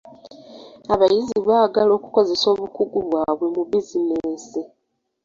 Abayizi baagala okukozesa obukugu bwabwe mu bizinensi.